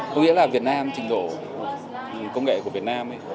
có nghĩa là việt nam trình độ công nghệ của việt nam